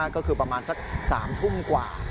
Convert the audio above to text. ก็คือประมาณสัก๓ทุ่มกว่า